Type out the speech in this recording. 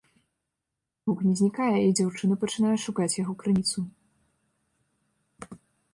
Гук не знікае, і дзяўчына пачынае шукаць яго крыніцу.